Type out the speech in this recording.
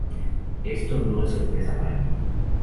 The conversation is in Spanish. Esto no es sorpresa para mí.